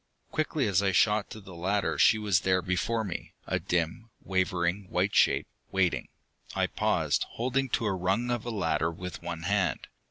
Quickly as I shot to the ladder she was there before me, a dim, wavering white shape, waiting. I paused, holding to a rung of the ladder with one hand.